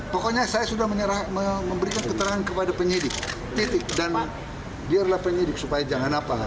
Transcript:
pokoknya saya sudah memberikan keterangan kepada penyidik titik dan dia adalah penyidik supaya jangan apa